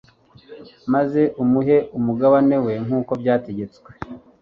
maze umuhe umugabane we nk'uko byategetswe